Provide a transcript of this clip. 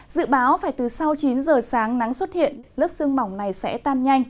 dự báo phải từ sau chín giờ sáng nắng xuất hiện lớp sương mỏng này sẽ tan nhanh